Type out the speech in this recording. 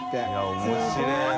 面白いな。